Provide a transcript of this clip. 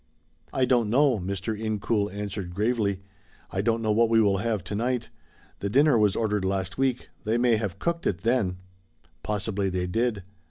"I don't know," Mr. Incoul answered gravely. "I don't know what we will have to night. The dinner was ordered last week. They may have cooked it then." "Possibly they did.